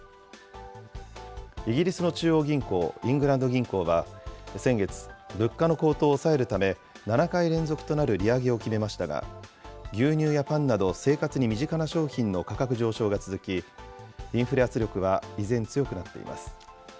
イギリスの中央銀行、イングランド銀行は先月、物価の高騰を抑えるため、７回連続となる利上げを決めましたが、牛乳やパンなど生活に身近な商品の価格上昇が続き、インフレ圧力は依然、強くなっています。